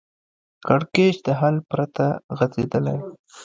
کړکېچ د حل پرته غځېدلی